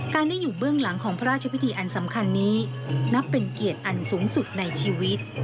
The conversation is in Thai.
ได้อยู่เบื้องหลังของพระราชพิธีอันสำคัญนี้นับเป็นเกียรติอันสูงสุดในชีวิต